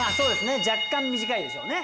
若干短いでしょうね。